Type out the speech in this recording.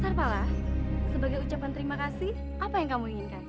terpala sebagai ucapan terima kasih apa yang kamu inginkan